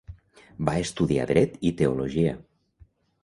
Va estudiar Dret i Teologia.